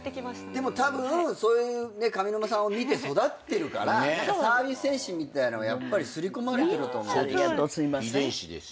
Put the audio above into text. でもたぶん上沼さんを見て育ってるからサービス精神みたいのはやっぱりすり込まれてると思う。